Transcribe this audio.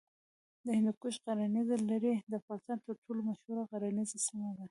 د هندوکش غرنیزه لړۍ د افغانستان تر ټولو مشهوره غرنیزه سیمه ده.